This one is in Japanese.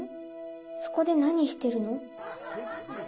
そこで何してるの？